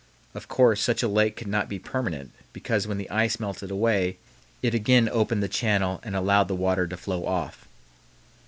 Of course such a lake could not be permanent, because, when the ice melted away, it again opened the channel and allowed the water to flow off.